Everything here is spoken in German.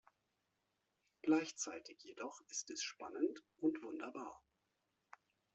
Gleichzeitig jedoch ist es spannend und wunderbar.